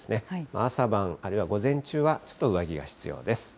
朝晩、あるいは午前中はちょっと上着が必要です。